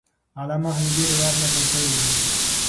علامه حبیبي روایت نقل کړی وو.